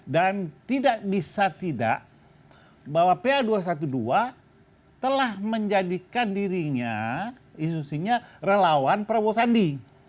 dan tidak bisa tidak bahwa pa dua ratus dua belas telah menjadikan dirinya institusinya relawan prabowo sandi